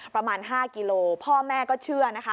ประมาณ๕กิโลเมตรพ่อแม่ก็เชื่อ